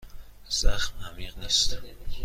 زخم عمیق نیست.